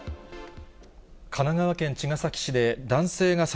神奈川県茅ヶ崎市で男性が殺